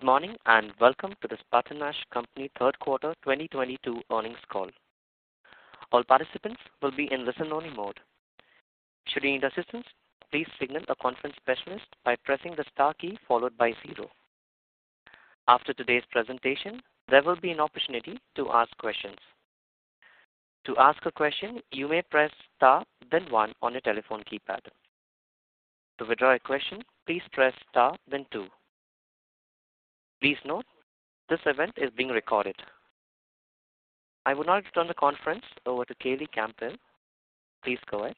Good morning, and welcome to the SpartanNash Company Third Quarter 2022 Earnings Call. All participants will be in listen-only mode. Should you need assistance, please signal a conference specialist by pressing the star key followed by zero. After today's presentation, there will be an opportunity to ask questions. To ask a question, you may press star then one on your telephone keypad. To withdraw a question, please press star then two. Please note, this event is being recorded. I will now turn the conference over to Kayleigh Campbell. Please go ahead.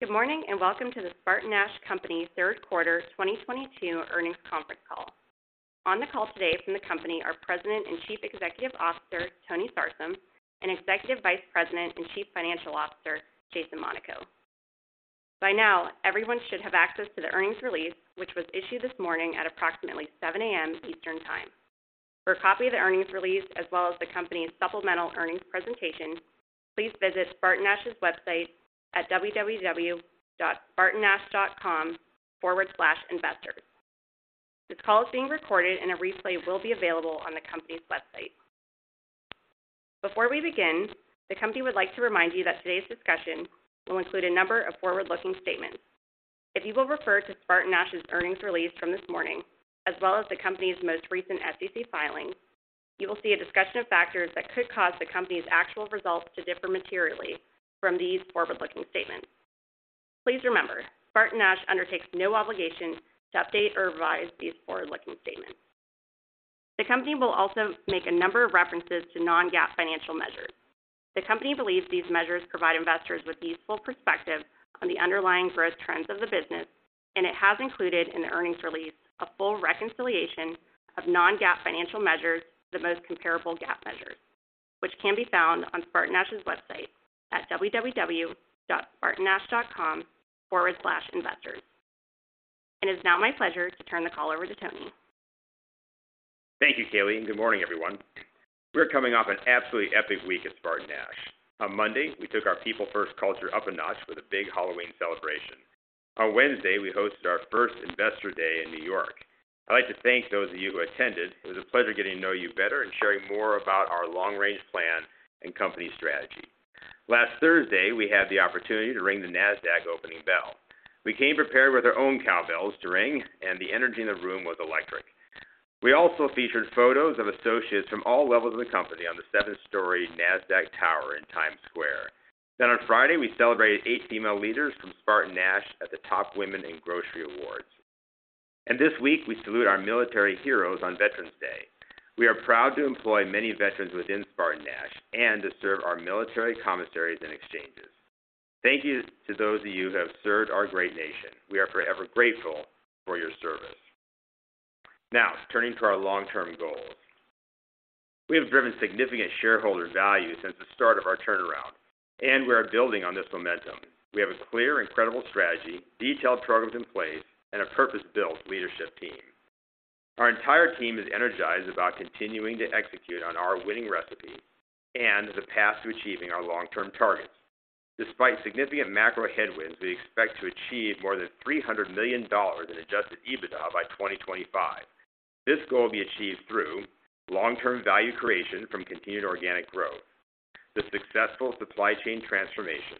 Good morning, and welcome to the SpartanNash Company Third Quarter 2022 Earnings Conference Call. On the call today from the company are President and Chief Executive Officer, Tony Sarsam, and Executive Vice President and Chief Financial Officer, Jason Monaco. By now, everyone should have access to the earnings release, which was issued this morning at approximately 7 a.m. Eastern Time. For a copy of the earnings release as well as the company's supplemental earnings presentation, please visit SpartanNash's website at www.spartannash.com/investors. This call is being recorded, and a replay will be available on the company's website. Before we begin, the company would like to remind you that today's discussion will include a number of forward-looking statements. If you will refer to SpartanNash's earnings release from this morning, as well as the company's most recent SEC filing, you will see a discussion of factors that could cause the Company's actual results to differ materially from these forward-looking statements. Please remember, SpartanNash undertakes no obligation to update or revise these forward-looking statements. The Company will also make a number of references to non-GAAP financial measures. The Company believes these measures provide investors with useful perspective on the underlying growth trends of the business, and it has included in the earnings release a full reconciliation of non-GAAP financial measures to the most comparable GAAP measures, which can be found on SpartanNash's website at www.spartannash.com/investors. It is now my pleasure to turn the call over to Tony. Thank you, Kayleigh, and good morning, everyone. We're coming off an absolutely epic week at SpartanNash. On Monday, we took our people-first culture up a notch with a big Halloween celebration. On Wednesday, we hosted our first Investor Day in New York. I'd like to thank those of you who attended. It was a pleasure getting to know you better and sharing more about our long range plan and company strategy. Last Thursday, we had the opportunity to ring the Nasdaq opening bell. We came prepared with our own cowbells to ring, and the energy in the room was electric. We also featured photos of associates from all levels of the company on the seven-story Nasdaq tower in Times Square. Then on Friday, we celebrated eight female leaders from SpartanNash at the Top Women in Grocery awards. This week, we salute our military heroes on Veterans Day. We are proud to employ many veterans within SpartanNash and to serve our military commissaries and exchanges. Thank you to those of you who have served our great nation. We are forever grateful for your service. Now, turning to our long-term goals. We have driven significant shareholder value since the start of our turnaround, and we are building on this momentum. We have a clear and credible strategy, detailed programs in place, and a purpose-built leadership team. Our entire team is energized about continuing to execute on our winning recipe and as a path to achieving our long-term targets. Despite significant macro headwinds, we expect to achieve more than $300 million in Adjusted EBITDA by 2025. This goal will be achieved through long-term value creation from continued organic growth, the successful supply chain transformation,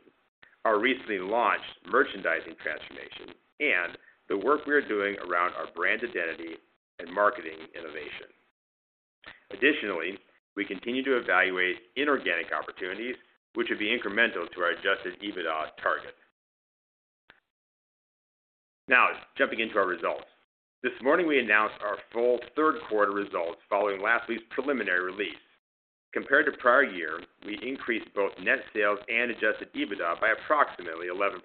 our recently launched merchandising transformation, and the work we are doing around our brand identity and marketing innovation. Additionally, we continue to evaluate inorganic opportunities, which would be incremental to our Adjusted EBITDA target. Now, jumping into our results. This morning, we announced our full third quarter results following last week's preliminary release. Compared to prior year, we increased both net sales and Adjusted EBITDA by approximately 11%.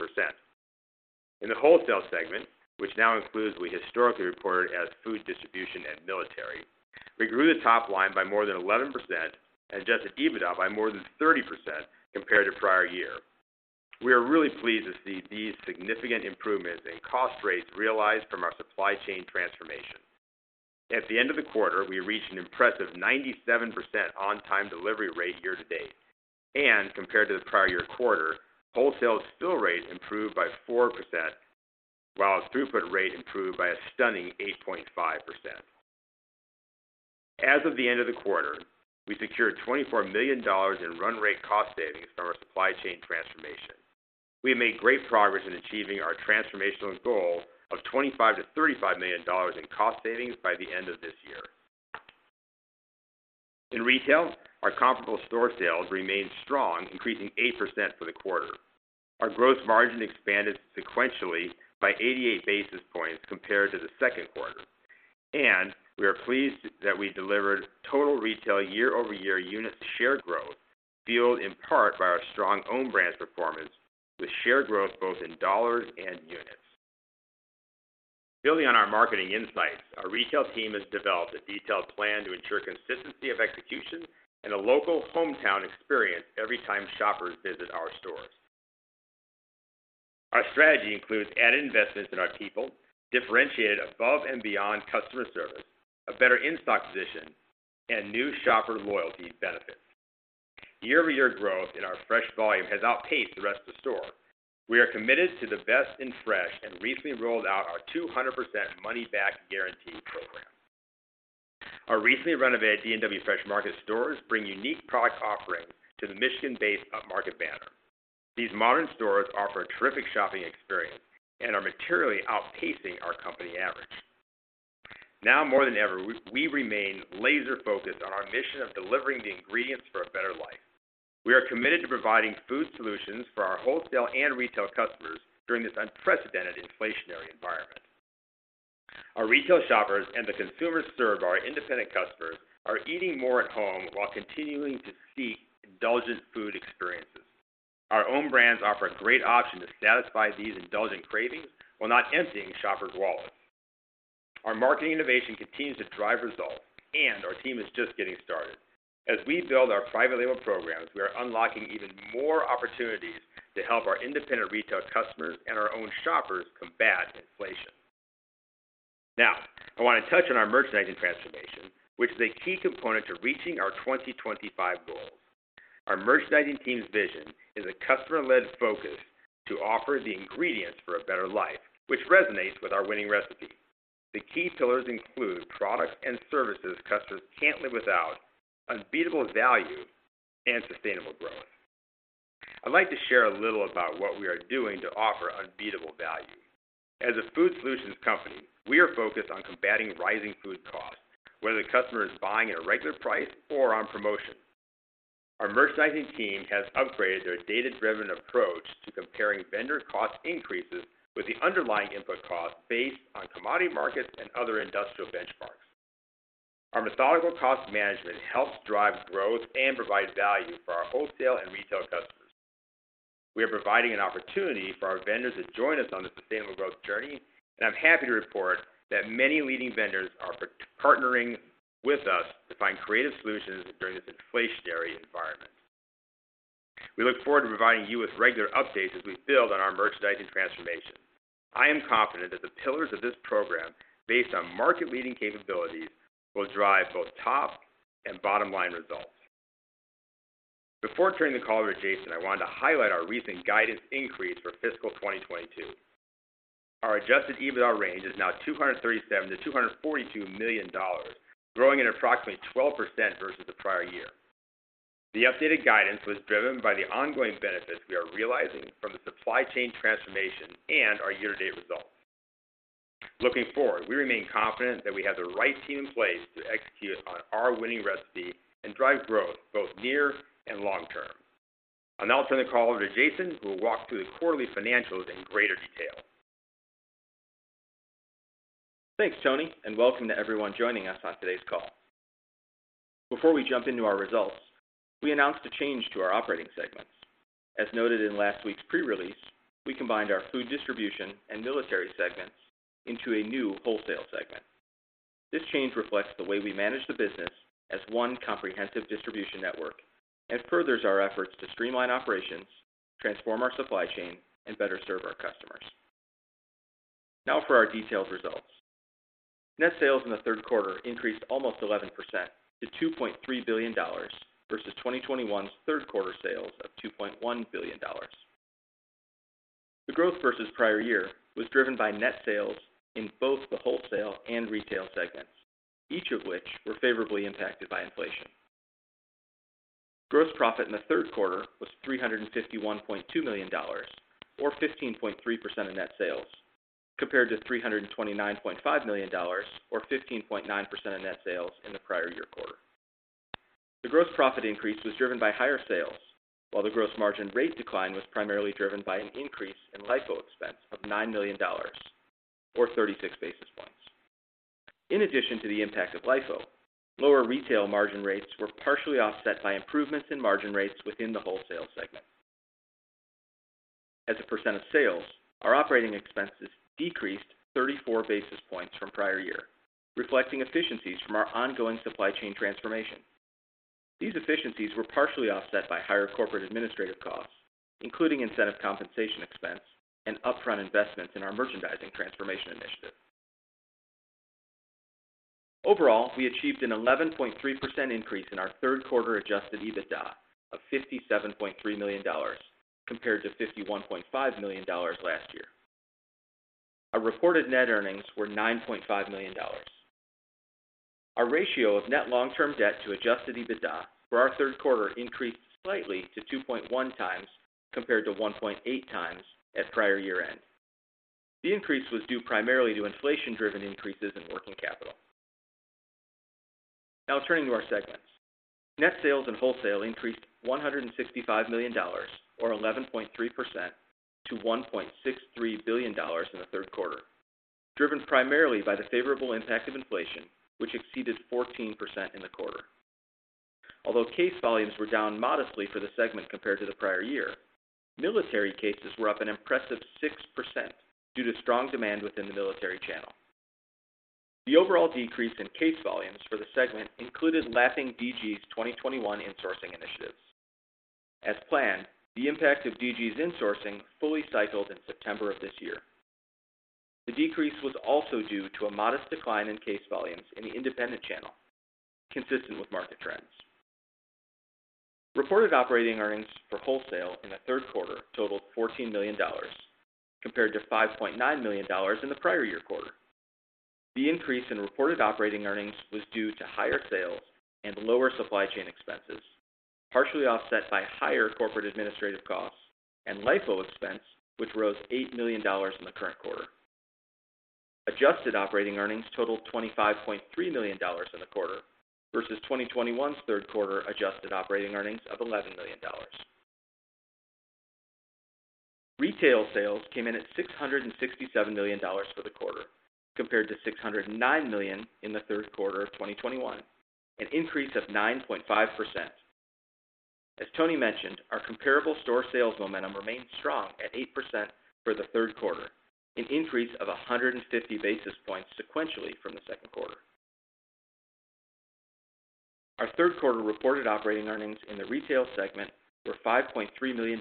In the wholesale segment, which now includes what we historically reported as food distribution and military, we grew the top line by more than 11% and Adjusted EBITDA by more than 30% compared to prior year. We are really pleased to see these significant improvements in cost rates realized from our supply chain transformation. At the end of the quarter, we reached an impressive 97% on-time delivery rate year to date. Compared to the prior year quarter, wholesale fill rate improved by 4%, while throughput rate improved by a stunning 8.5%. As of the end of the quarter, we secured $24 million in run rate cost savings from our supply chain transformation. We have made great progress in achieving our transformational goal of $25 million-$35 million in cost savings by the end of this year. In retail, our comparable store sales remained strong, increasing 8% for the quarter. Our growth margin expanded sequentially by 88 basis points compared to the second quarter. We are pleased that we delivered total retail year-over-year unit share growth, fueled in part by our strong OwnBrands performance with share growth both in dollars and units. Building on our marketing insights, our retail team has developed a detailed plan to ensure consistency of execution and a local hometown experience every time shoppers visit our stores. Our strategy includes added investments in our people, differentiated above and beyond customer service, a better in-stock position, and new shopper loyalty benefits. Year-over-year growth in our fresh volume has outpaced the rest of the store. We are committed to the best in fresh and recently rolled out our 200% money back guarantee program. Our recently renovated D&W Fresh Market stores bring unique product offerings to the Michigan-based upmarket banner. These modern stores offer a terrific shopping experience and are materially outpacing our company average. Now more than ever, we remain laser focused on our mission of delivering the ingredients for a better life. We are committed to providing food solutions for our wholesale and retail customers during this unprecedented inflationary environment. Our retail shoppers and the consumers served by our independent customers are eating more at home while continuing to seek indulgent food experiences. Our OwnBrands offer a great option to satisfy these indulgent cravings while not emptying shoppers' wallets. Our marketing innovation continues to drive results, and our team is just getting started. As we build our private label programs, we are unlocking even more opportunities to help our independent retail customers and our own shoppers combat inflation. Now, I want to touch on our merchandising transformation, which is a key component to reaching our 2025 goals. Our merchandising team's vision is a customer-led focus to offer the ingredients for a better life, which resonates with our winning recipe. The key pillars include products and services customers can't live without, unbeatable value, and sustainable growth. I'd like to share a little about what we are doing to offer unbeatable value. As a food solutions company, we are focused on combating rising food costs, whether the customer is buying at a regular price or on promotion. Our merchandising team has upgraded their data-driven approach to comparing vendor cost increases with the underlying input costs based on commodity markets and other industrial benchmarks. Our methodical cost management helps drive growth and provide value for our wholesale and retail customers. We are providing an opportunity for our vendors to join us on this sustainable growth journey, and I'm happy to report that many leading vendors are partnering with us to find creative solutions during this inflationary environment. We look forward to providing you with regular updates as we build on our merchandising transformation. I am confident that the pillars of this program, based on market-leading capabilities, will drive both top and bottom-line results. Before turning the call over to Jason, I wanted to highlight our recent guidance increase for fiscal 2022. Our Adjusted EBITDA range is now $237 million-$242 million, growing at approximately 12% versus the prior year. The updated guidance was driven by the ongoing benefits we are realizing from the supply chain transformation and our year-to-date results. Looking forward, we remain confident that we have the right team in place to execute on our winning recipe and drive growth both near and long term. I'll now turn the call over to Jason, who will walk through the quarterly financials in greater detail. Thanks, Tony, and welcome to everyone joining us on today's call. Before we jump into our results, we announced a change to our operating segments. As noted in last week's pre-release, we combined our food distribution and military segments into a new wholesale segment. This change reflects the way we manage the business as one comprehensive distribution network and furthers our efforts to streamline operations, transform our supply chain, and better serve our customers. Now for our detailed results. Net sales in the third quarter increased almost 11% to $2.3 billion versus 2021's third quarter sales of $2.1 billion. The growth versus prior year was driven by net sales in both the wholesale and retail segments, each of which were favorably impacted by inflation. Gross profit in the third quarter was $351.2 million or 15.3% of net sales, compared to $329.5 million or 15.9% of net sales in the prior year quarter. The gross profit increase was driven by higher sales, while the gross margin rate decline was primarily driven by an increase in LIFO expense of $9 million or 36 basis points. In addition to the impact of LIFO, lower retail margin rates were partially offset by improvements in margin rates within the wholesale segment. As a percent of sales, our operating expenses decreased 34 basis points from prior year, reflecting efficiencies from our ongoing supply chain transformation. These efficiencies were partially offset by higher corporate administrative costs, including incentive compensation expense and upfront investments in our merchandising transformation initiative. Overall, we achieved an 11.3% increase in our third quarter adjusted EBITDA of $57.3 million compared to $51.5 million last year. Our reported net earnings were $9.5 million. Our ratio of net long-term debt to adjusted EBITDA for our third quarter increased slightly to 2.1x compared to 1.8 times at prior year-end. The increase was due primarily to inflation-driven increases in working capital. Now turning to our segments. Net sales in wholesale increased $165 million or 11.3% to $1.63 billion in the third quarter, driven primarily by the favorable impact of inflation, which exceeded 14% in the quarter. Although case volumes were down modestly for the segment compared to the prior year, military cases were up an impressive 6% due to strong demand within the military channel. The overall decrease in case volumes for the segment included lapping Dollar General's 2021 insourcing initiatives. As planned, the impact of Dollar General's insourcing fully cycled in September of this year. The decrease was also due to a modest decline in case volumes in the independent channel, consistent with market trends. Reported operating earnings for wholesale in the third quarter totaled $14 million, compared to $5.9 million in the prior year quarter. The increase in reported operating earnings was due to higher sales and lower supply chain expenses, partially offset by higher corporate administrative costs and LIFO expense, which rose $8 million in the current quarter. Adjusted operating earnings totaled $25.3 million in the quarter versus 2021's third quarter adjusted operating earnings of $11 million. Retail sales came in at $667 million for the quarter, compared to $609 million in the third quarter of 2021, an increase of 9.5%. As Tony mentioned, our comparable store sales momentum remained strong at 8% for the third quarter, an increase of 150 basis points sequentially from the second quarter. Our third quarter reported operating earnings in the retail segment were $5.3 million,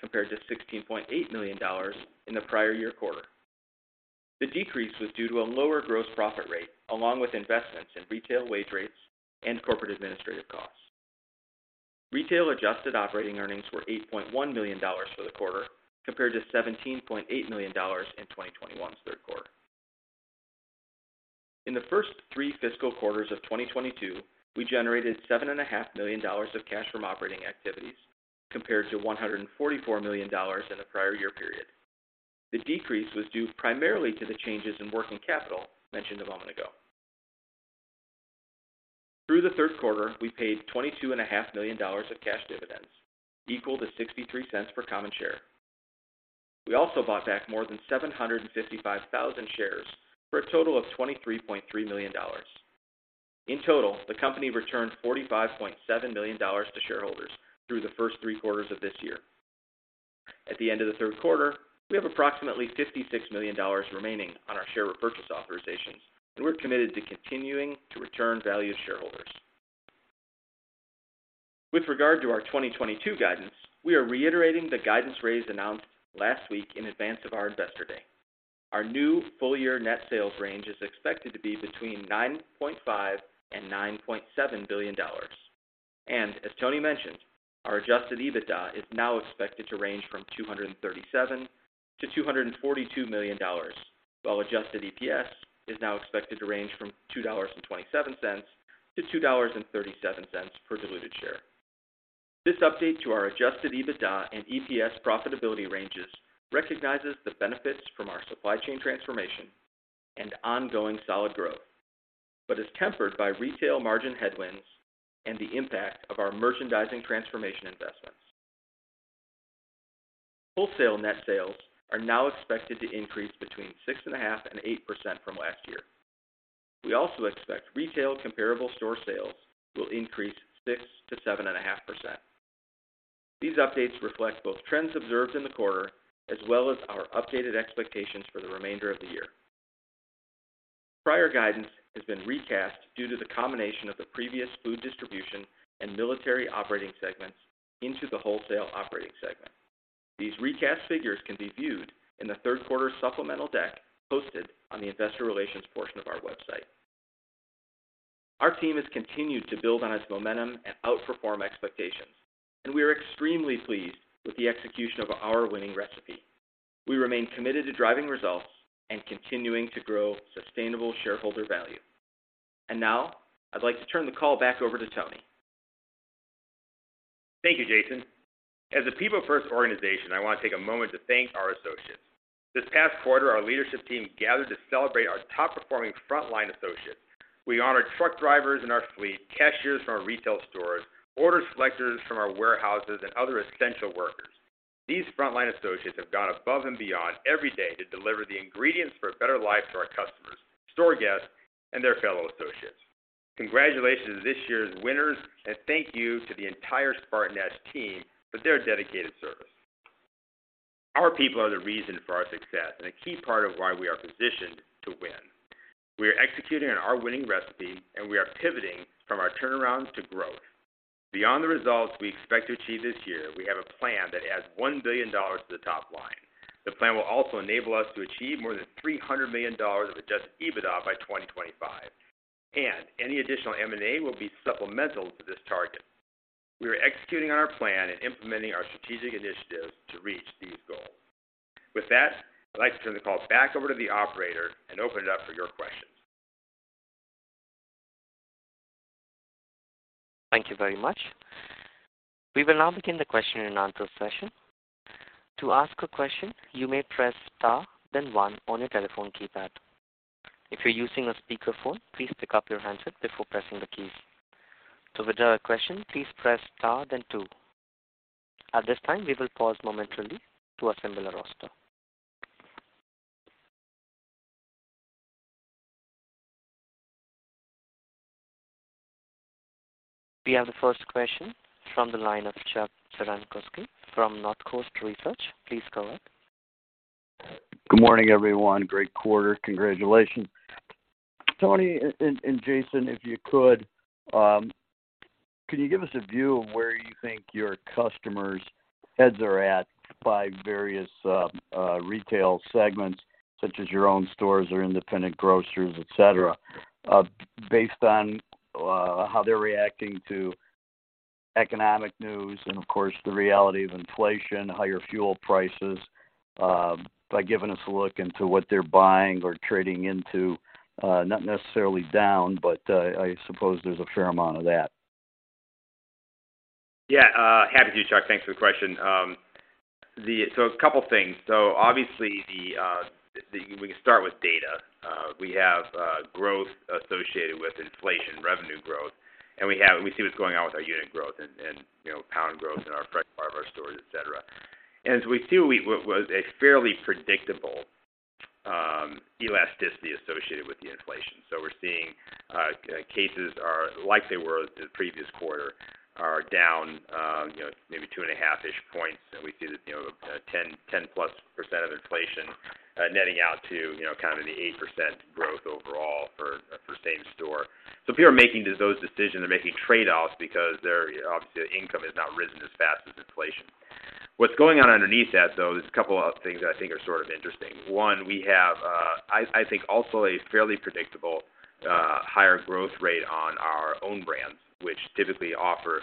compared to $16.8 million in the prior year quarter. The decrease was due to a lower gross profit rate, along with investments in retail wage rates and corporate administrative costs. Retail adjusted operating earnings were $8.1 million for the quarter, compared to $17.8 million in 2021's third quarter. In the first three fiscal quarters of 2022, we generated $7.5 million of cash from operating activities, compared to $144 million in the prior year period. The decrease was due primarily to the changes in working capital mentioned a moment ago. Through the third quarter, we paid $22.5 million of cash dividends, equal to $0.63 per common share. We also bought back more than 755,000 shares, for a total of $23.3 million. In total, the company returned $45.7 million to shareholders through the first three quarters of this year. At the end of the third quarter, we have approximately $56 million remaining on our share repurchase authorizations, and we're committed to continuing to return value to shareholders. With regard to our 2022 guidance, we are reiterating the guidance raise announced last week in advance of our investor day. Our new full-year net sales range is expected to be between $9.5 billion and $9.7 billion. As Tony mentioned, our Adjusted EBITDA is now expected to range from $237 million to $242 million, while Adjusted EPS is now expected to range from $2.27 to $2.37 per diluted share. This update to our Adjusted EBITDA and EPS profitability ranges recognizes the benefits from our supply chain transformation and ongoing solid growth, but is tempered by retail margin headwinds and the impact of our merchandising transformation investments. Wholesale net sales are now expected to increase between 6.5% and 8% from last year. We also expect retail comparable store sales will increase 6%-7.5%. These updates reflect both trends observed in the quarter as well as our updated expectations for the remainder of the year. Prior guidance has been recast due to the combination of the previous food distribution and military operating segments into the wholesale operating segment. These recast figures can be viewed in the third quarter supplemental deck posted on the investor relations portion of our website. Our team has continued to build on its momentum and outperform expectations, and we are extremely pleased with the execution of our winning recipe. We remain committed to driving results and continuing to grow sustainable shareholder value. Now, I'd like to turn the call back over to Tony. Thank you, Jason. As a people-first organization, I want to take a moment to thank our associates. This past quarter, our leadership team gathered to celebrate our top-performing frontline associates. We honored truck drivers in our fleet, cashiers from our retail stores, order selectors from our warehouses, and other essential workers. These frontline associates have gone above and beyond every day to deliver the ingredients for a better life to our customers, store guests, and their fellow associates. Congratulations to this year's winners, and thank you to the entire SpartanNash team for their dedicated service. Our people are the reason for our success and a key part of why we are positioned to win. We are executing on our winning recipe, and we are pivoting from our turnaround to growth. Beyond the results we expect to achieve this year, we have a plan that adds $1 billion to the top line. The plan will also enable us to achieve more than $300 million of Adjusted EBITDA by 2025, and any additional M&A will be supplemental to this target. We are executing on our plan and implementing our strategic initiatives to reach these goals. With that, I'd like to turn the call back over to the operator and open it up for your questions. Thank you very much. We will now begin the question and answer session. To ask a question, you may press star then one on your telephone keypad. If you're using a speakerphone, please pick up your handset before pressing the keys. To withdraw a question, please press star then two. At this time, we will pause momentarily to assemble a roster. We have the first question from the line of Chuck Cerankosky from Northcoast Research. Please go ahead. Good morning, everyone. Great quarter. Congratulations. Tony and Jason, if you could, Can you give us a view of where you think your customers' heads are at by various retail segments, such as your own stores or independent grocers, et cetera, based on how they're reacting to economic news and of course, the reality of inflation, higher fuel prices, by giving us a look into what they're buying or trading into, not necessarily down, but I suppose there's a fair amount of that? Yeah. Happy to, Chuck. Thanks for the question. A couple things. Obviously, we can start with data. We have growth associated with inflation revenue growth, and we see what's going on with our unit growth and, you know, pound growth in our fresh part of our stores, et cetera. As we see, what was a fairly predictable elasticity associated with the inflation. We're seeing cases, like they were the previous quarter, are down, you know, maybe two-and-a-half-ish points. We see that, you know, 10+% inflation netting out to, you know, kind of the 8% growth overall for same store. People are making those decisions. They're making trade-offs because their income has not risen as fast as inflation. What's going on underneath that, though, there's a couple other things that I think are sort of interesting. One, we have I think also a fairly predictable higher growth rate on our OwnBrands, which typically offer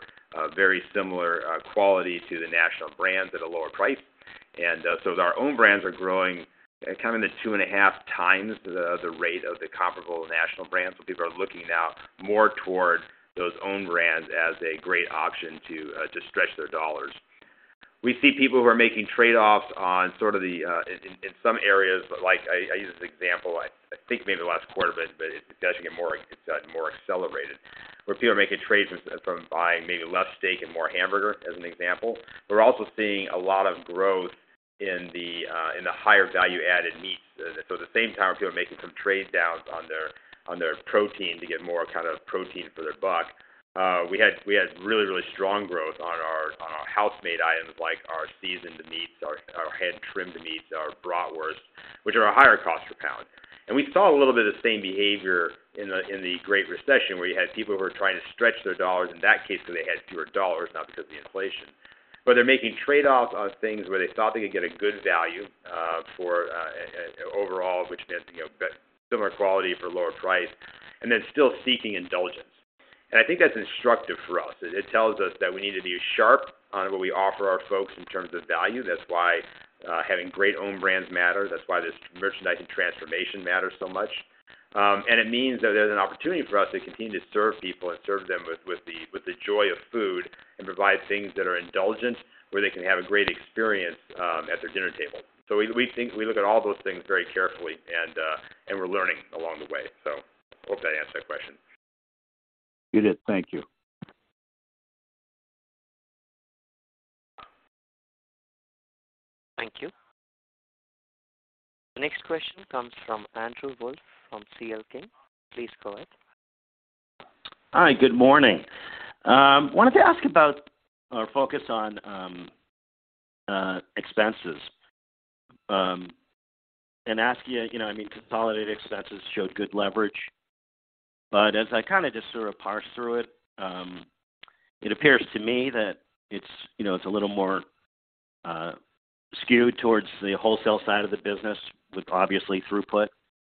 very similar quality to the national brands at a lower price. As our OwnBrands are growing kind of 2.5x the rate of the comparable national brands. People are looking now more toward those OwnBrands as a great option to stretch their dollars. We see people who are making trade-offs in some areas, like I use this example, I think maybe the last quarter, but it does get more accelerated, where people are making trades from buying maybe less steak and more hamburger, as an example. We're also seeing a lot of growth in the higher value-added meats. At the same time, people are making some trade-downs on their protein to get more kind of protein for their buck. We had really strong growth on our house-made items like our seasoned meats, our hand-trimmed meats, our bratwurst, which are a higher cost per pound. We saw a little bit of the same behavior in the Great Recession, where you had people who are trying to stretch their dollars, in that case, because they had fewer dollars, not because of the inflation. They're making trade-offs on things where they thought they could get a good value for overall, which meant, you know, similar quality for lower price and then still seeking indulgence. I think that's instructive for us. It tells us that we need to be sharp on what we offer our folks in terms of value. That's why having great OwnBrands matters. That's why this merchandising transformation matters so much. It means that there's an opportunity for us to continue to serve people and serve them with the joy of food and provide things that are indulgent, where they can have a great experience at their dinner table. We think we look at all those things very carefully, and we're learning along the way. Hope that answered your question. You did. Thank you. Thank you. Next question comes from Andrew Wolf from C.L. King. Please go ahead. Hi. Good morning. Wanted to ask about our focus on expenses, and ask you know, I mean, consolidated expenses showed good leverage. As I kinda just sort of parse through it appears to me that it's, you know, it's a little more skewed towards the wholesale side of the business, with obviously throughput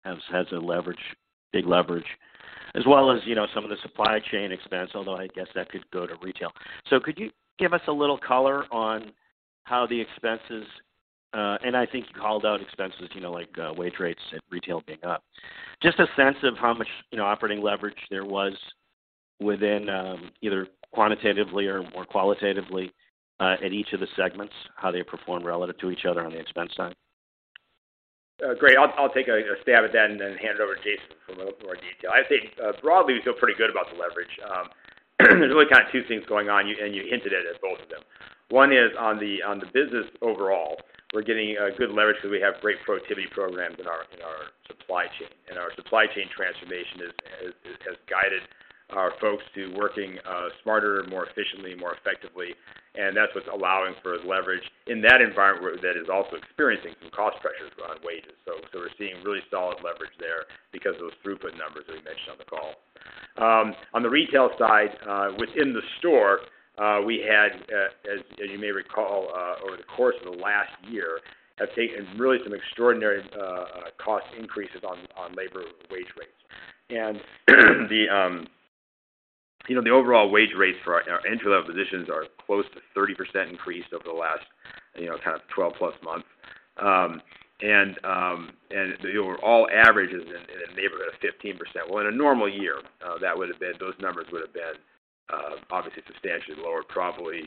has a leverage, big leverage, as well as, you know, some of the supply chain expense, although I guess that could go to retail. Could you give us a little color on how the expenses, and I think you called out expenses, you know, like, wage rates and retail being up. Just a sense of how much, you know, operating leverage there was within, either quantitatively or more qualitatively, at each of the segments, how they performed relative to each other on the expense side. Great. I'll take a stab at that and then hand it over to Jason for a little more detail. I think, broadly, we feel pretty good about the leverage. There's really kind of two things going on, and you hinted at both of them. One is on the business overall, we're getting good leverage because we have great productivity programs in our supply chain. Our supply chain transformation has guided our folks to working smarter, more efficiently, more effectively. That's what's allowing for leverage in that environment that is also experiencing some cost pressures around wages. We're seeing really solid leverage there because of those throughput numbers that we mentioned on the call. On the retail side, within the store, we had, as you may recall, over the course of the last year, have taken really some extraordinary cost increases on labor wage rates. The overall wage rates for our entry-level positions are close to 30% increase over the last, you know, kind of 12+ months. And all averages in the neighborhood of 15%. Well, in a normal year, that would have been those numbers would have been obviously substantially lower, probably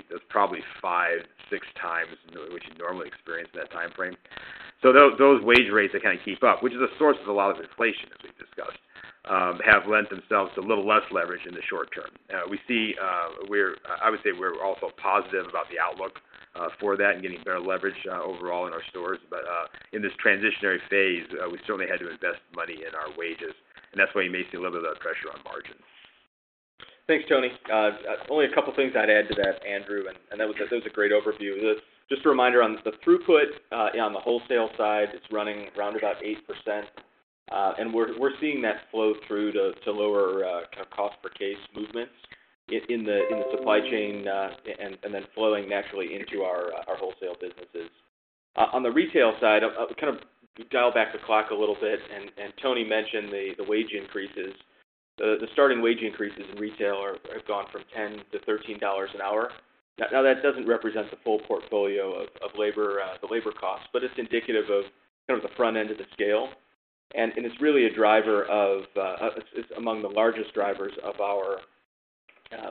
five, six times what you'd normally experience in that time frame. Those wage rates that kinda keep up, which is a source of a lot of inflation, as we've discussed, have lent themselves to a little less leverage in the short term. I would say we're also positive about the outlook for that and getting better leverage overall in our stores. In this transitional phase, we certainly had to invest money in our wages, and that's why you may see a little bit of pressure on margins. Thanks, Tony. Only a couple things I'd add to that, Andrew, and that was a great overview. Just a reminder on the throughput, on the wholesale side, it's running around about 8%. We're seeing that flow through to lower cost per case movements in the supply chain, and then flowing naturally into our wholesale businesses. On the retail side, I would kind of dial back the clock a little bit, and Tony mentioned the wage increases. The starting wage increases in retail have gone from $10 to $13 an hour. Now that doesn't represent the full portfolio of labor costs, but it's indicative of kind of the front end of the scale. It's really a driver of. It's among the largest drivers of our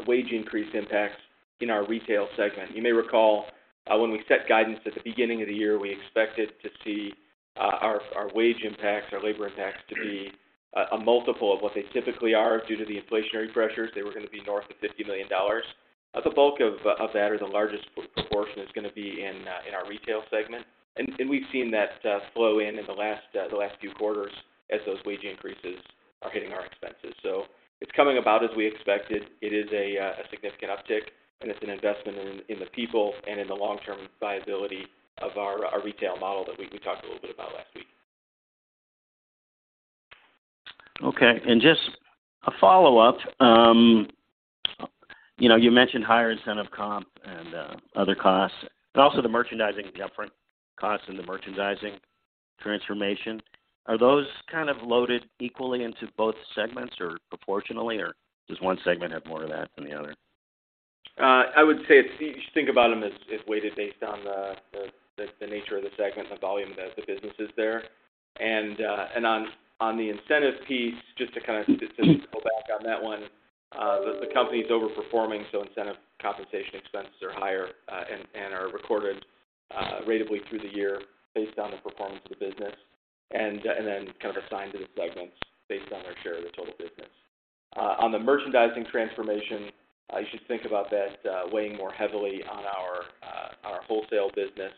wage increase impacts in our retail segment. You may recall, when we set guidance at the beginning of the year, we expected to see our wage impacts, our labor impacts to be a multiple of what they typically are due to the inflationary pressures. They were gonna be north of $50 million. The bulk of that or the largest proportion is gonna be in our retail segment. We've seen that flow in the last few quarters as those wage increases are hitting our expenses. It's coming about as we expected. It is a significant uptick, and it's an investment in the people and in the long-term viability of our retail model that we talked a little bit about last week. Okay. Just a follow-up. You know, you mentioned higher incentive comp and other costs, but also the merchandising up-front costs and the merchandising transformation. Are those kind of loaded equally into both segments or proportionally, or does one segment have more of that than the other? I would say it's. You should think about them as weighted based on the nature of the segment and the volume of the businesses there. On the incentive piece, just to kind of go back on that one, the company's overperforming, so incentive compensation expenses are higher, and are recorded ratably through the year based on the performance of the business and then kind of assigned to the segments based on their share of the total business. On the merchandising transformation, you should think about that, weighing more heavily on our wholesale business,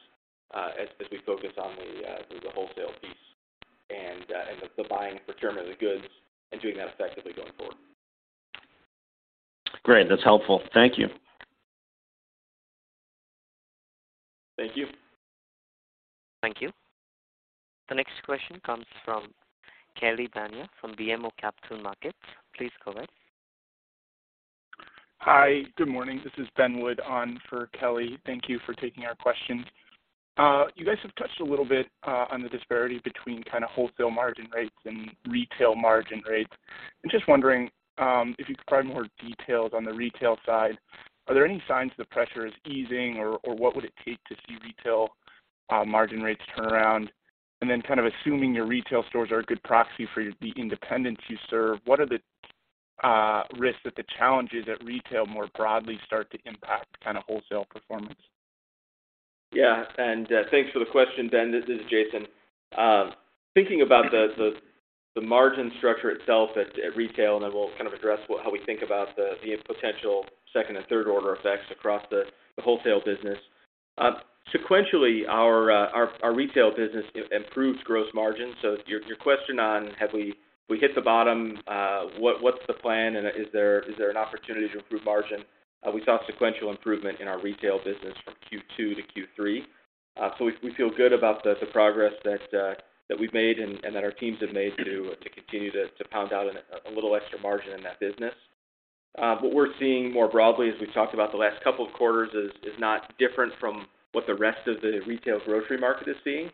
as we focus on the wholesale piece and the buying and procurement of the goods and doing that effectively going forward. Great. That's helpful. Thank you. Thank you. Thank you. The next question comes from Kelly Bania from BMO Capital Markets. Please go ahead. Hi. Good morning. This is Ben Wood on for Kelly. Thank you for taking our question. You guys have touched a little bit on the disparity between kind of wholesale margin rates and retail margin rates. I'm just wondering if you could provide more details on the retail side. Are there any signs the pressure is easing, or what would it take to see retail margin rates turn around? Kind of assuming your retail stores are a good proxy for the independents you serve, what are the risks or the challenges that retail more broadly start to impact kind of wholesale performance? Yeah. Thanks for the question, Ben. This is Jason. Thinking about the margin structure itself at retail, and then we'll kind of address what, how we think about the potential second and third order effects across the wholesale business. Sequentially, our retail business improves gross margin. Your question on have we hit the bottom, what's the plan, and is there an opportunity to improve margin? We saw sequential improvement in our retail business from Q2 to Q3. We feel good about the progress that we've made and that our teams have made to continue to pound out a little extra margin in that business. What we're seeing more broadly, as we talked about the last couple of quarters, is not different from what the rest of the retail grocery market is seeing,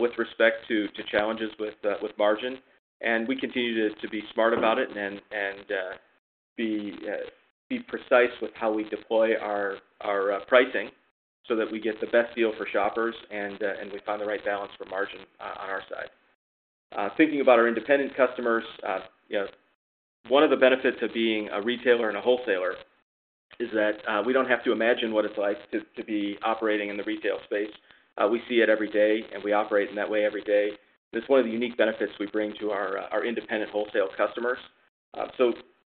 with respect to challenges with margin. We continue to be smart about it and be precise with how we deploy our pricing so that we get the best deal for shoppers and we find the right balance for margin on our side. Thinking about our independent customers, you know, one of the benefits of being a retailer and a wholesaler is that we don't have to imagine what it's like to be operating in the retail space. We see it every day, and we operate in that way every day. That's one of the unique benefits we bring to our independent wholesale customers. You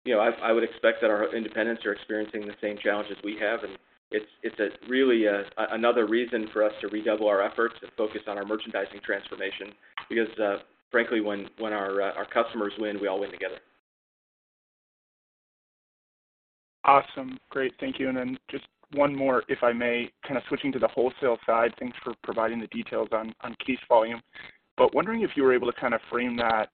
know, I would expect that our independents are experiencing the same challenges we have, and it's a really another reason for us to redouble our efforts and focus on our merchandising transformation because frankly, when our customers win, we all win together. Awesome. Great. Thank you. Just one more, if I may. Kind of switching to the wholesale side, thanks for providing the details on case volume. Wondering if you were able to kind of frame that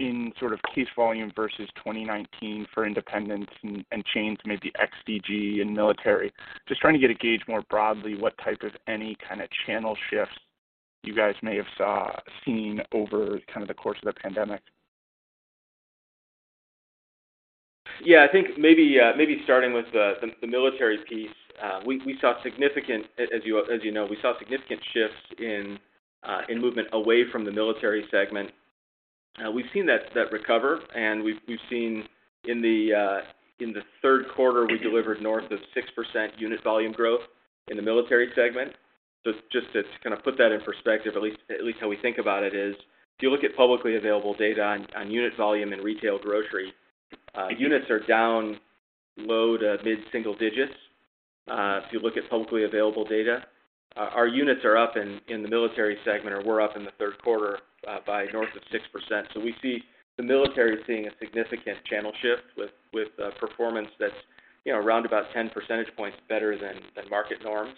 in sort of case volume versus 2019 for independents and chains, maybe e.g., DG and military. Just trying to get a gauge more broadly what type of any kind of channel shifts you guys may have seen over kind of the course of the pandemic. Yeah. I think maybe starting with the military piece. As you know, we saw significant shifts in movement away from the military segment. We've seen that recover, and we've seen in the third quarter we delivered north of 6% unit volume growth in the military segment. Just to kind of put that in perspective, at least how we think about it is if you look at publicly available data on unit volume in retail grocery, units are down low- to mid-single digits, if you look at publicly available data. Our units are up in the military segment, or were up in the third quarter, by north of 6%. We see the military seeing a significant channel shift with performance that's, you know, around about 10 percentage points better than market norms.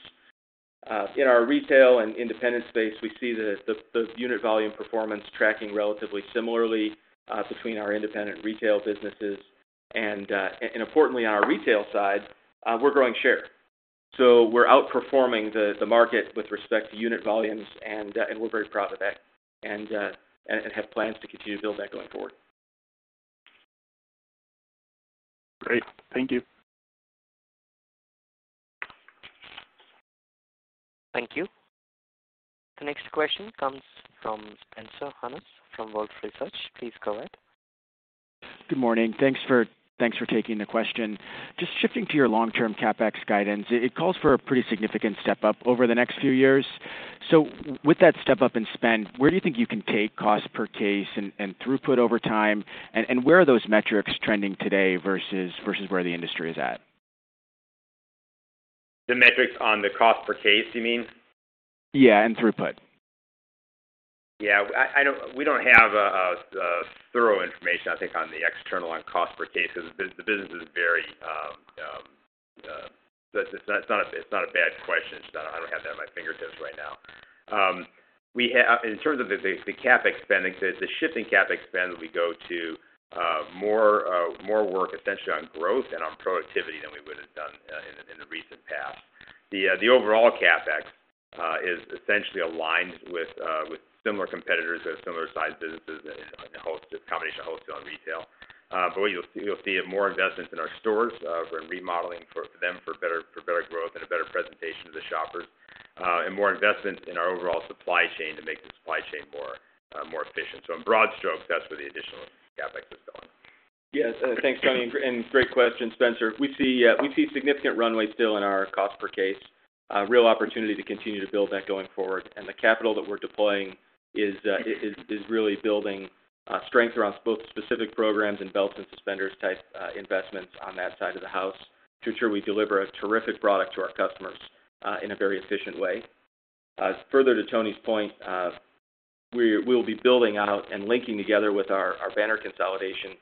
In our retail and independent space, we see the unit volume performance tracking relatively similarly between our independent retail businesses. Importantly on our retail side, we're growing share. We're outperforming the market with respect to unit volumes and we're very proud of that. We have plans to continue to build that going forward. Great. Thank you. Thank you. The next question comes from Spencer Hanus from Wolfe Research. Please go ahead. Good morning. Thanks for taking the question. Just shifting to your long-term CapEx guidance, it calls for a pretty significant step up over the next few years. With that step up in spend, where do you think you can take cost per case and throughput over time? Where are those metrics trending today versus where the industry is at? The metrics on the cost per case, you mean? Yeah, throughput. Yeah. I don't... We don't have thorough information I think on the external cost per case. The business is very. It's not a bad question. It's just not. I don't have that at my fingertips right now. In terms of the CapEx spend, the shift in CapEx spend as we go to more work essentially on growth and on productivity than we would've done in the recent past. The overall CapEx is essentially aligned with similar competitors that have similar sized businesses in the wholesale, a combination of wholesale and retail. But what you'll see, you'll see more investments in our stores. We're remodeling them for better growth and a better presentation to the shoppers. more investment in our overall supply chain to make the supply chain more efficient. In broad strokes, that's where the additional CapEx is going. Yes. Thanks, Tony, and great question, Spencer. We see significant runway still in our cost per case. Real opportunity to continue to build that going forward. The capital that we're deploying is really building strength around both specific programs and belts and suspenders type investments on that side of the house to ensure we deliver a terrific product to our customers in a very efficient way. Further to Tony's point, we'll be building out and linking together with our banner consolidation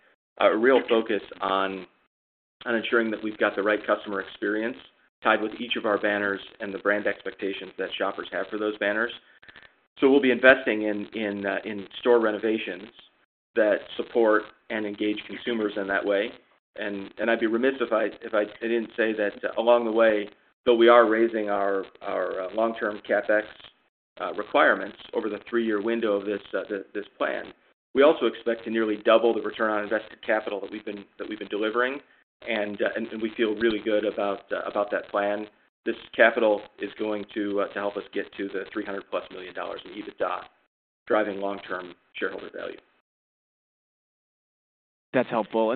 a real focus on ensuring that we've got the right customer experience tied with each of our banners and the brand expectations that shoppers have for those banners. We'll be investing in store renovations that support and engage consumers in that way. I'd be remiss if I didn't say that along the way, though we are raising our long-term CapEx requirements over the three-year window of this plan. We also expect to nearly double the Return on Invested Capital that we've been delivering, and we feel really good about that plan. This capital is going to help us get to the $300+ million in EBITDA, driving long-term shareholder value. That's helpful.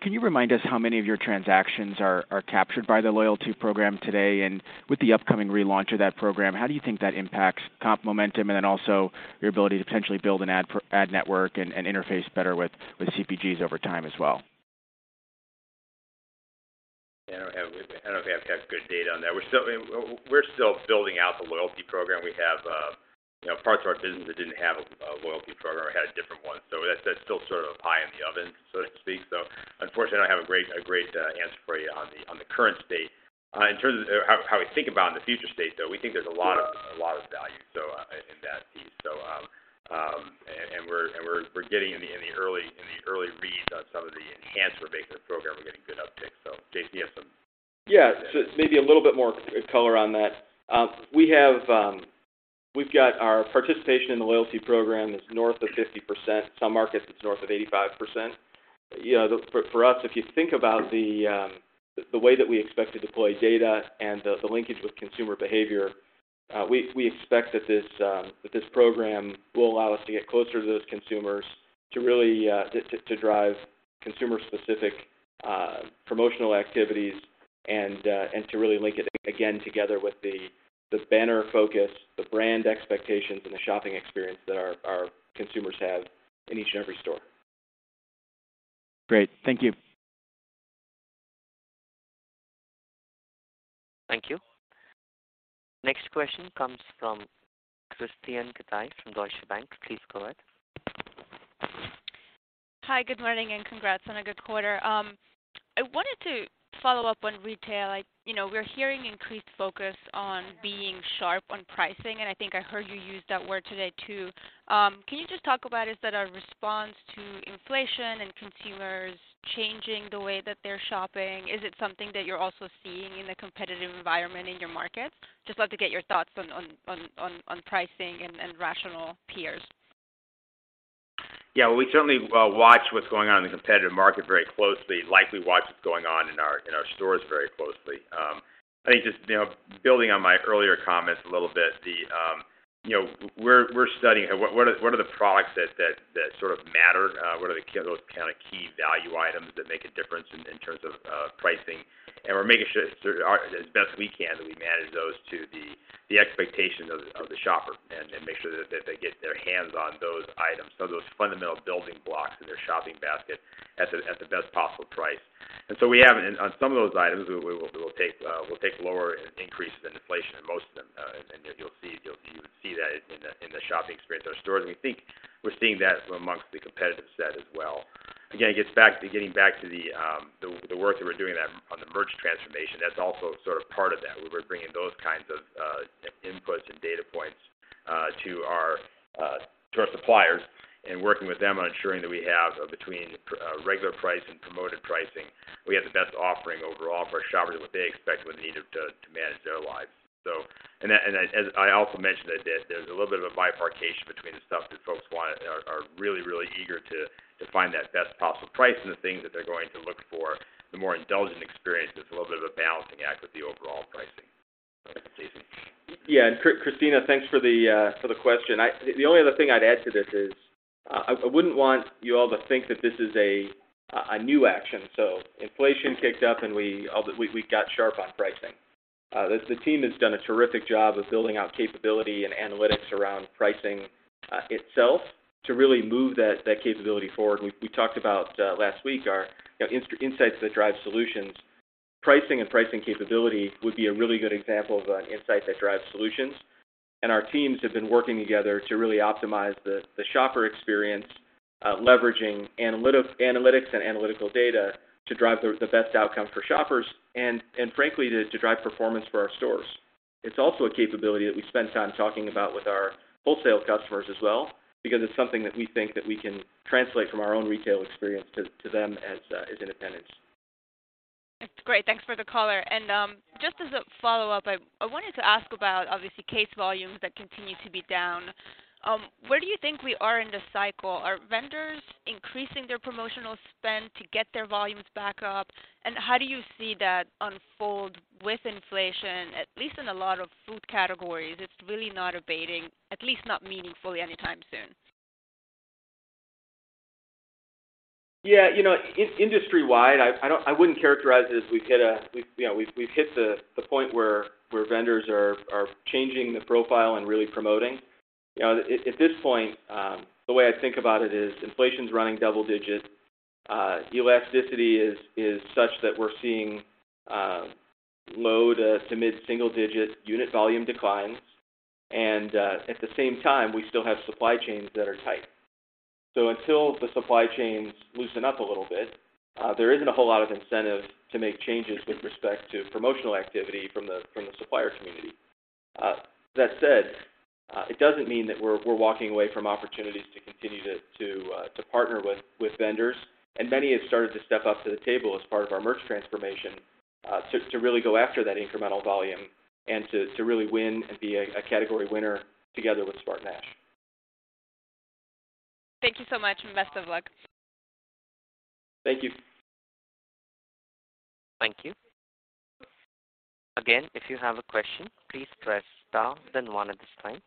Can you remind us how many of your transactions are captured by the loyalty program today? With the upcoming relaunch of that program, how do you think that impacts comp momentum and then also your ability to potentially build an ad network and interface better with CPGs over time as well? Yeah. I don't have, I don't think I've got good data on that. We're still building out the loyalty program. We have, you know, parts of our business that didn't have a loyalty program or had a different one. That's still sort of a pie in the oven, so to speak. Unfortunately, I don't have a great answer for you on the current state. In terms of how we think about in the future state, though, we think there's a lot of value in that piece. We're getting in the early reads on some of the enhancements made to the program, we're getting good updates. J.C., you have some Yeah. Maybe a little bit more color on that. We have, we've got our participation in the loyalty program is north of 50%. Some markets, it's north of 85%. You know, for us, if you think about the way that we expect to deploy data and the linkage with consumer behavior, we expect that this program will allow us to get closer to those consumers to really drive consumer specific promotional activities and to really link it again together with the banner focus, the brand expectations, and the shopping experience that our consumers have in each and every store. Great. Thank you. Thank you. Next question comes from Christopher Mandeville from Deutsche Bank. Please go ahead. Hi, good morning, and congrats on a good quarter. I wanted to follow up on retail. Like, you know, we're hearing increased focus on being sharp on pricing, and I think I heard you use that word today too. Can you just talk about is that a response to inflation and consumers changing the way that they're shopping? Is it something that you're also seeing in the competitive environment in your market? Just love to get your thoughts on pricing and rational peers. Yeah. We certainly watch what's going on in the competitive market very closely, like we watch what's going on in our stores very closely. I think just, you know, building on my earlier comments a little bit, you know, we're studying what are the products that sort of matter? What are those kind of key value items that make a difference in terms of pricing? We're making sure as best we can that we manage those to the expectation of the shopper and make sure that they get their hands on those items. Those fundamental building blocks in their shopping basket at the best possible price. We have and on some of those items, we'll take lower increases than inflation in most of them, and you'll see that in the shopping experience in our stores. We think we're seeing that from amongst the competitive set as well. Again, it gets back to the work that we're doing on the merch transformation. That's also sort of part of that, where we're bringing those kinds of inputs and data points to our suppliers and working with them on ensuring that we have between regular price and promoted pricing. We have the best offering overall for our shoppers and what they expect, what they need to manage their lives. as I also mentioned, that there's a little bit of a bifurcation between the stuff that folks want and are really eager to find that best possible price and the things that they're going to look for, the more indulgent experience. It's a little bit of a balancing act with the overall pricing. Go ahead, Jason. Yeah. Christina, thanks for the question. The only other thing I'd add to this is I wouldn't want you all to think that this is a new action. Inflation kicked up, and we got sharp on pricing. The team has done a terrific job of building out capability and analytics around pricing itself to really move that capability forward. We talked about last week our, you know, insights that drive solutions. Pricing and pricing capability would be a really good example of an insight that drives solutions. Our teams have been working together to really optimize the shopper experience leveraging analytics and analytical data to drive the best outcome for shoppers and frankly to drive performance for our stores. It's also a capability that we spend time talking about with our wholesale customers as well, because it's something that we think that we can translate from our own retail experience to them as independents. That's great. Thanks for the color. Just as a follow-up, I wanted to ask about obviously case volumes that continue to be down. Where do you think we are in the cycle? Are vendors increasing their promotional spend to get their volumes back up? How do you see that unfold with inflation, at least in a lot of food categories? It's really not abating, at least not meaningfully anytime soon. Yeah. You know, industry-wide, I wouldn't characterize it as we've hit the point where vendors are changing the profile and really promoting. You know, at this point, the way I think about it is inflation's running double-digit. Elasticity is such that we're seeing low- to mid-single-digit unit volume declines. At the same time, we still have supply chains that are tight. Until the supply chains loosen up a little bit, there isn't a whole lot of incentive to make changes with respect to promotional activity from the supplier community. That said, it doesn't mean that we're walking away from opportunities to continue to partner with vendors. Many have started to step up to the table as part of our merch transformation, to really go after that incremental volume and to really win and be a category winner together with SpartanNash. Thank you so much, and best of luck. Thank you. Thank you. Again, if you have a question, please press star then one at this time.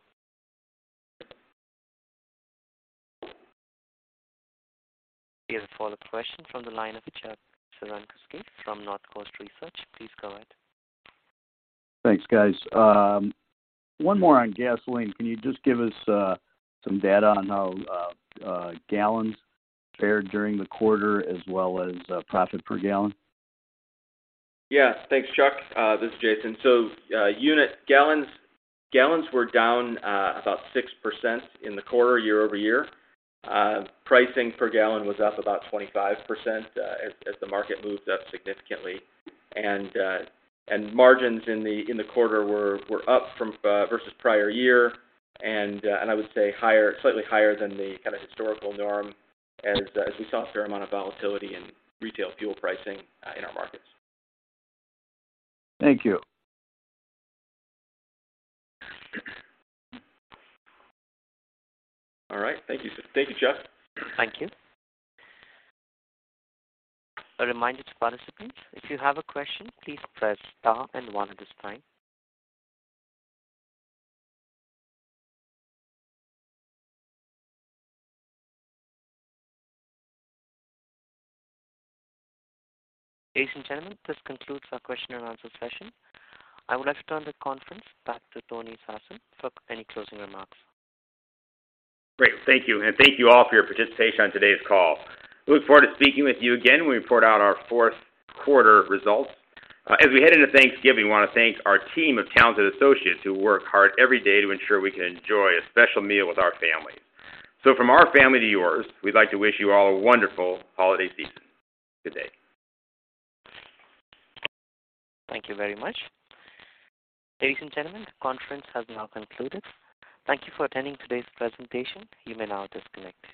Here's a follow-up question from the line of Chuck Cerankosky from Northcoast Research. Please go ahead. Thanks, guys. One more on gasoline. Can you just give us some data on how gallons fared during the quarter as well as profit per gallon? Yes. Thanks, Chuck. This is Jason. Unit gallons. Gallons were down about 6% in the quarter year-over-year. Pricing per gallon was up about 25% as the market moved up significantly. Margins in the quarter were up versus prior year. I would say slightly higher than the kinda historical norm as we saw a fair amount of volatility in retail fuel pricing in our markets. Thank you. All right. Thank you. Thank you, Chuck. Thank you. A reminder to participants, if you have a question, please press star and one at this time. Ladies and gentlemen, this concludes our question and answer session. I would like to turn the conference back to Tony Sarsam for any closing remarks. Great. Thank you. Thank you all for your participation on today's call. We look forward to speaking with you again when we report out our fourth quarter results. As we head into Thanksgiving, we wanna thank our team of talented associates who work hard every day to ensure we can enjoy a special meal with our family. From our family to yours, we'd like to wish you all a wonderful holiday season. Good day. Thank you very much. Ladies and gentlemen, the conference has now concluded. Thank you for attending today's presentation. You may now disconnect.